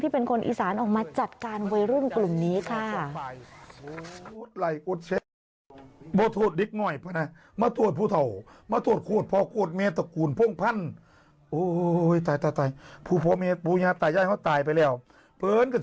เป็นคนอีสานออกมาจัดการวัยรุ่นกลุ่มนี้ค่ะ